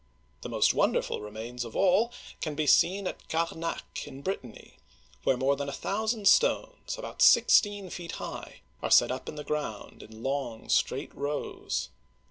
The most wonderful remains of all can be seen at Carnac' in Brit'tany, where more than a thousand stones, about sixteen feet high, are set up in the ground in long,* straight rows.